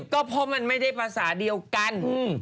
ก็เพราะมันไม่ได้ภาษาเดียวกัน